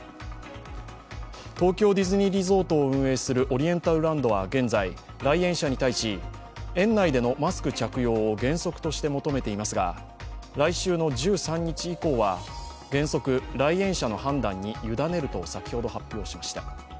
東京ディズニーリゾートを運営するオリエンタルランドは現在、来園者に対し、園内でのマスク着用を原則として求めていますが、来週１３日以降は原則、来園者の判断にゆだねると先ほど発表しました。